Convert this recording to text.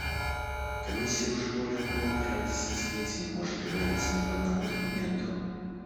Комиссия уже более полутора десятилетий не может договориться ни по одному документу.